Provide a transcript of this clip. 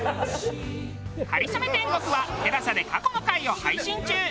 『かりそめ天国』はＴＥＬＡＳＡで過去の回を配信中。